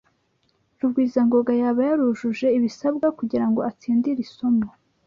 Rugwizangoga yaba yarujuje ibisabwa kugirango atsinde iri somo?